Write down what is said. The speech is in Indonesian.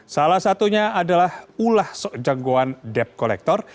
salah satunya adalah ulah soejang goan depp collector